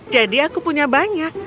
jadi aku punya banyak